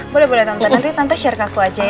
boleh boleh nonton nanti tante share ke aku aja ya